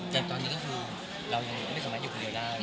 แต่ตอนนี้ก็คือเรายังไม่สามารถอยู่คนเดียวได้